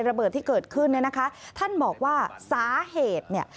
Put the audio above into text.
ระเบิดที่เกิดขึ้นเนี่ยนะคะท่านบอกว่าสาเหตุเนี่ย